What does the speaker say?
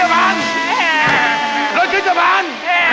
เราขึ้นจังหาด